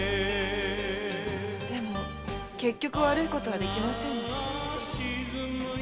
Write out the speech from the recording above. でも結局悪いことはできませんね。